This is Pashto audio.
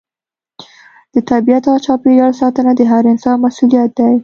د طبیعت او چاپیریال ساتنه د هر انسان مسؤلیت دی.